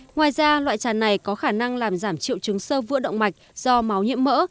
ngoài ra loại chàn này có khả năng làm giảm triệu chứng sơ vữa động mạch do máu nhiễm mỡ